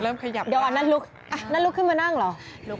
ขยับเดี๋ยวอันนั้นลุกอันนั้นลุกขึ้นมานั่งเหรอ